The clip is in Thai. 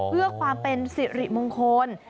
เพื่อความเป็นสิริมงคล